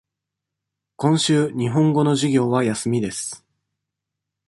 今週、日本語の授業は休みです。